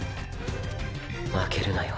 負けるなよ